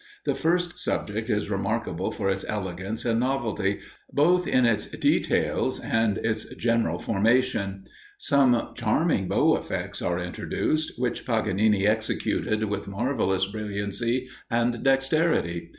The first subject is remarkable for its elegance and novelty, both in its details and its general formation. Some charming bow effects are introduced, which Paganini executed with marvellous brilliancy and dexterity.